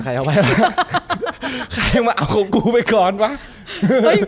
ใครเอาไว้มาเอาของกูไปก่อนเหรอ